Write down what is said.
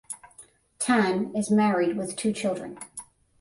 Tan is married with two children.